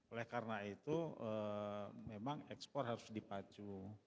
oleh karena itu memang ekspor harus dipacu